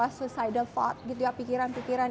suicidal thought gitu ya pikiran pikiran